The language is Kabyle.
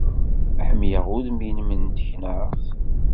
Ḥemmleɣ udem-nnem n teknart.